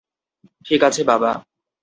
ঠিক আছে বাবা।